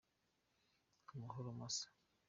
Amahoro masa